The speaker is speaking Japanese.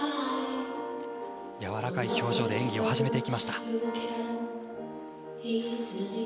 やわらかい表情で演技を始めていきました。